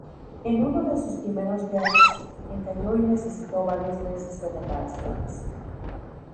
En uno de sus primeros viajes, encalló y necesitó varios meses de reparaciones.